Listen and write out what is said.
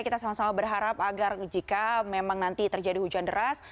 kita sama sama berharap agar jika memang nanti terjadi hujan deras